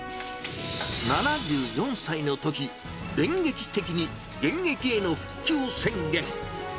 ７４歳のとき、電撃的に現役への復帰を宣言。